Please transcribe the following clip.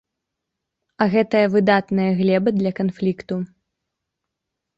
А гэтая выдатная глеба для канфлікту.